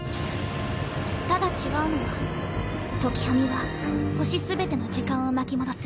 ただ違うのは時喰みは星全ての時間を巻き戻す。